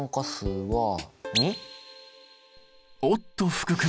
おっと福君！